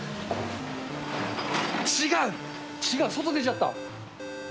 違う、違う、外出ちゃった。